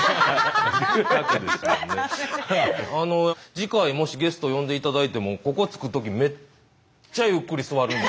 次回もしゲスト呼んで頂いてもここつくときめっちゃゆっくり座るんで。